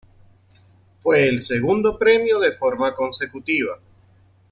Fue el segundo premio de forma consecutiva.